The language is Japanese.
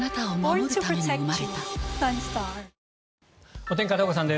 お天気、片岡さんです。